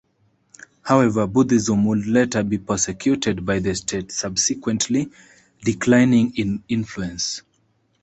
However, Buddhism would later be persecuted by the state, subsequently declining in influence.